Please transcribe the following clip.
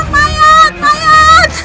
mayat siapa itu teh